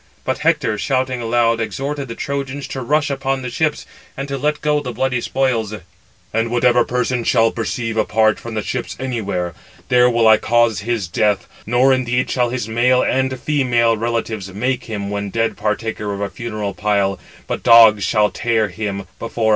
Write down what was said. But Hector, shouting aloud, exhorted the Trojans to rush upon the ships, and to let go the bloody spoils: "And whatever person I 496 shall perceive apart from the ships anywhere, there will I cause his death; nor indeed shall his male and female relatives make him when dead partaker of a funeral pile, but dogs shall tear him before our city."